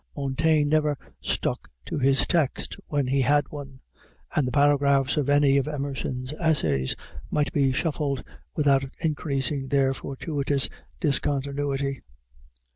Montaigne never stuck to his text, when he had one; and the paragraphs of any of Emerson's essays might be shuffled without increasing their fortuitous discontinuity.